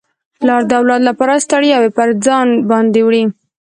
پلار د اولاد لپاره ستړياوي پر ځان باندي وړي.